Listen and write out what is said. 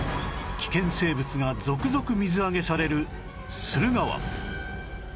危険生物が続々水揚げされる駿河湾